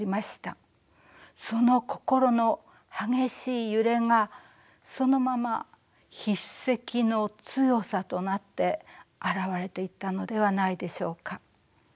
その心の激しい揺れがそのまま筆跡の強さとなって現れていったのではないでしょうか？